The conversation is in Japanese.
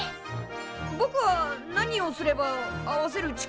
ぼくは何をすれば合わせる力が。